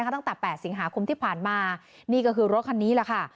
ตั้งแต่๘สิงหาคมที่ผ่านมานี่ก็คือรถคันนี้แหละค่ะ